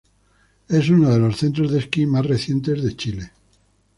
Es uno de los centros de esquí más recientes en Chile.